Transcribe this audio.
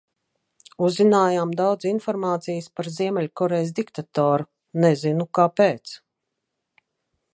Uzzinājām daudz informācijas par Ziemeļkorejas diktatoru, nezinu, kāpēc.